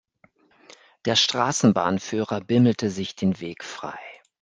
Der Straßenbahnführer bimmelte sich den Weg frei.